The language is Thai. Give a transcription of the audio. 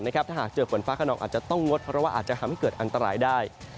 ถ้าหากเจอฝนฟ้าขนองอาจจะต้องงดเพราะว่าอาจจะทำให้เกิดอันตรายได้